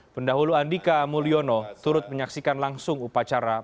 pendahulu andika mulyono turut menyaksikan langsung upacara